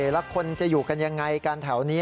แล้วคนจะอยู่กันยังไงกันแถวนี้